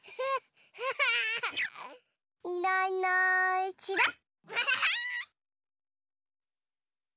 いないいないちらっ。